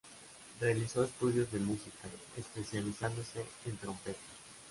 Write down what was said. Realizó estudios de música, especializándose en trompeta.